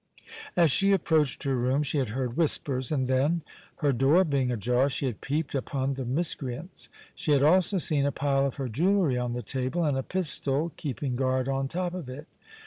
As she approached her room she had heard whispers, and then, her door being ajar, she had peeped upon the miscreants. She had also seen a pile of her jewellery on the table, and a pistol keeping guard on top of it.